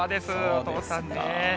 お父さんね。